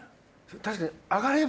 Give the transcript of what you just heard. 確かに上がれば。